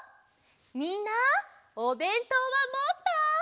みんなおべんとうはもった？